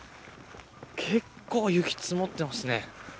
結構、雪積もってますね。